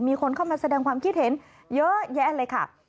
มีคนเข้ามาแสดงความคิดเห็นเยอะแยะเลยค่ะ